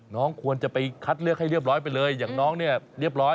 น้องควรจะไปคัดเลือกให้เรียบร้อยไปเลยอย่างน้องเนี่ยเรียบร้อย